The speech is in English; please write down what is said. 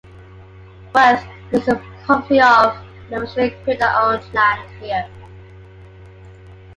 "Worth" means "property of" and the Mercian Crida owned land here.